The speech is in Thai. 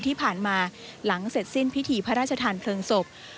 ที่ผ่านมาหลังเสร็จสิ้นพิธีพระราชทานเพลิงศพ